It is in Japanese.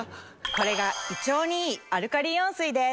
これが胃腸にいいアルカリイオン水です。